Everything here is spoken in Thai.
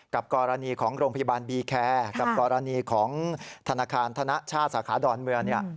กรณีของโรงพยาบาลบีแคร์กับกรณีของธนาคารธนชาติสาขาดอนเมือง